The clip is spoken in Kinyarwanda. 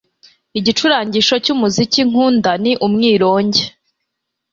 Igicurarangisho cyumuziki nkunda ni umwironge